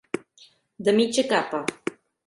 De mitja capa.